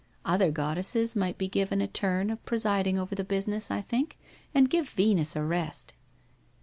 Other goddesses might be given a turn of pre siding over the business, I think, and give Venus a rest